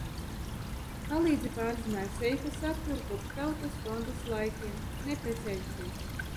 Palīdze pārzināja seifa saturu kopš Tautas frontes laikiem. Neprecējusies.